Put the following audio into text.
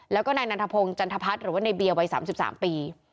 แล้วก็นายนันทพงศ์จันทพัฒน์หรือว่าในเบียร์วัย๓๓ปี